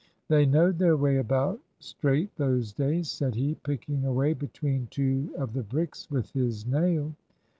"They knowed their way about, straight, those days," said he, picking away between two of the bricks with his nail.